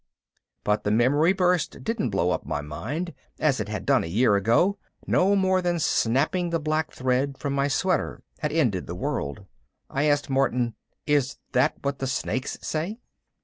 But the memory burst didn't blow up my mind, as it had done a year ago, no more than snapping the black thread from my sweater had ended the world. I asked Martin, "Is that what the Snakes say?"